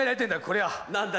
これが何だ